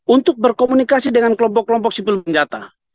untuk berkomunikasi dengan kelompok kelompok sipil yang jatah